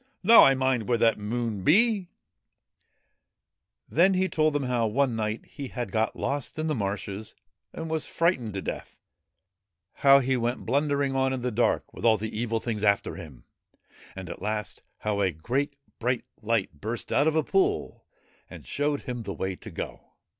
Now I mind where that there Moon be !' Then he told them how one night he had got lost in the marshes and was frightened to death ; how he went blundering on in the dark with all the Evil Things after him, and, at last, how a great bright light burst out of a pool and showed him the way to go.